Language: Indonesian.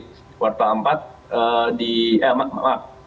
di kuartal empat di eh maaf